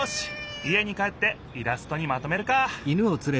家に帰ってイラストにまとめるか。